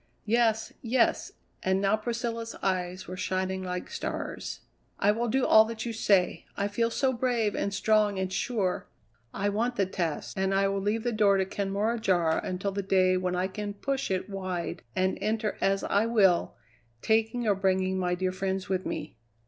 "Yes, yes." And now Priscilla's eyes were shining like stars. "I will do all that you say; I feel so brave and strong and sure. I want the test, and I will leave the door to Kenmore ajar until the day when I can push it wide and enter as I will, taking or bringing my dear friends with me.